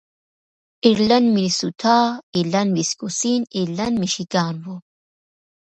ایرلنډ مینیسوټا، ایرلنډ ویسکوسین، ایرلنډ میشیګان و.